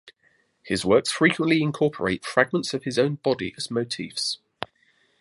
His works frequently incorporate fragments of his own body as motifs.